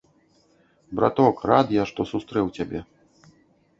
Браток, рад я, што сустрэў цябе.